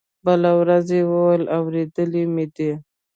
بله ورځ يې وويل اورېدلي مې دي.